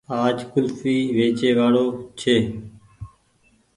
آج ڪولڦي ويچي واڙو ڇي